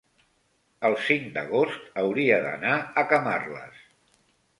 el cinc d'agost hauria d'anar a Camarles.